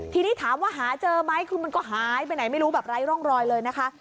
ทีนี้ถามว่าหาเจอไหมคือมันก็หายไปไหนไม่รู้แบบไร้ร่องรอยเลยนะคะ